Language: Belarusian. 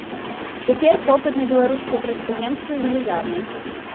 Цяпер попыт на беларускія прадпрыемствы велізарны.